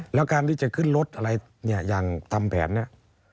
แล้วการที่จะขึ้นรถอะไรเนี่ยอย่างทำแผนเนี่ย